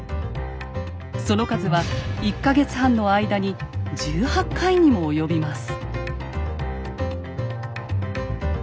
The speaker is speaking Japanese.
その数は１か月半の間に１８回にも及びます。